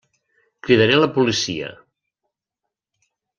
Cridaré la policia.